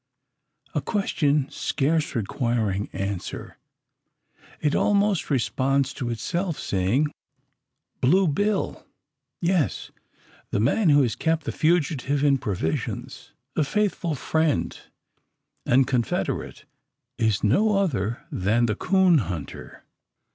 A question scarce requiring answer. It almost responds to itself, saying, "Blue Bill." Yes; the man who has kept the fugitive in provisions the faithful friend and confederate is no other than the coon hunter.